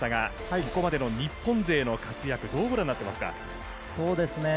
ここまでの日本勢の活躍、どうご覧になっていますか？